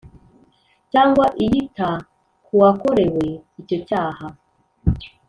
Cyangwa iyita k uwakorewe icyo cyaha